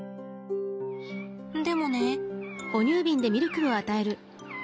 でもね。